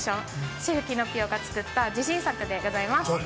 シェフピノキオが作った自信作でございます。